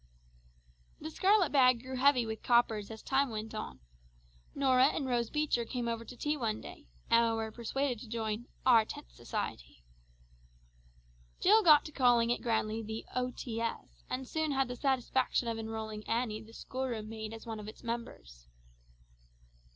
The scarlet bag grew heavy with coppers as time went on. Norah and Rose Beecher came over to tea one day, and were persuaded to join "Our Tenth Society!" Jill got to calling it grandly the "O.T.S." and soon had the satisfaction of enrolling Annie the school room maid as one of its members.